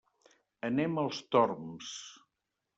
Anem als Torms.